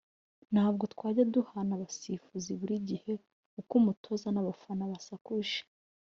ntabwo twajya duhana abasifuzi buri gihe uko umutoza n’abafana basakuje